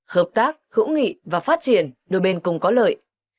hợp tác hữu nghị và phát triển đôi bên cùng có lợi